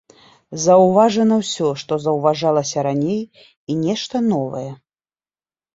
Заўважана ўсё, што заўважалася раней, і нешта новае.